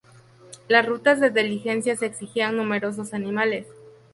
Las rutas de diligencias exigían numerosos animales.